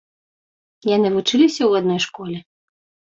Яны вучыліся ў адной школе.